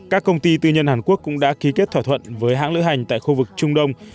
các công ty tư nhân hàn quốc cũng đã ký kết thỏa thuận với hãng lữ hành tại khu vực trung đông